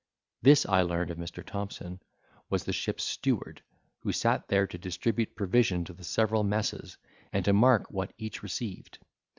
This (I learned of Mr. Thompson) was the ship's steward, who sat there to distribute provision to the several messes, and to mark what each received.